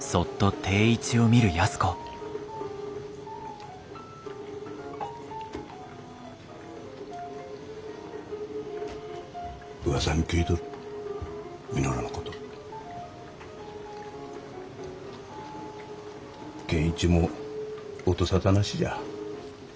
健一も音沙汰なしじゃ。